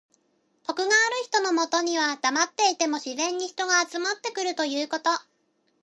徳がある人のもとにはだまっていても自然に人が集まってくるということ。